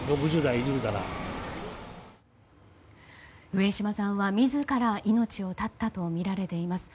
上島さんは、自ら命を絶ったとみられています。